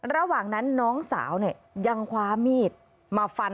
ระหว่างนั้นน้องสาวยังคว้ามีดมาฟัน